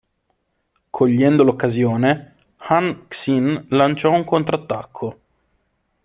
Cogliendo l'occasione, Han Xin lanciò un contrattacco.